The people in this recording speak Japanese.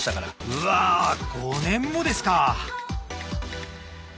うわ５年もですか！